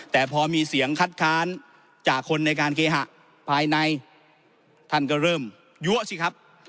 แต่พอมีเสียงคัดค้านจากคนในการเคหะภายในท่านก็เริ่มยัวสิครับ